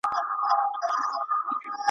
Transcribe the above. نه د عقل پوهي ګټه را رسېږي.